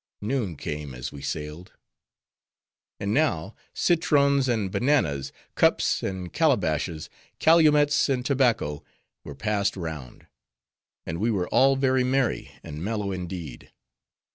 Noon came as we sailed. And now, citrons and bananas, cups and calabashes, calumets and tobacco, were passed round; and we were all very merry and mellow indeed.